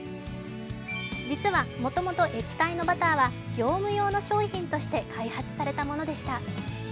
実は、もともと液体のバターは業務用の商品として開発されたものでした。